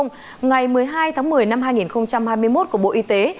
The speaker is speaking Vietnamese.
ngày một mươi hai tháng một mươi năm hai nghìn hai mươi một của bộ y tế